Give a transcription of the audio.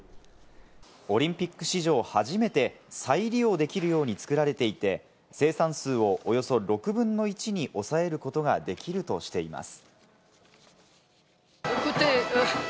オリンピック史上初めて、再利用できるように作られていて、生産数をおよそ６分の１に抑えることができるとしています。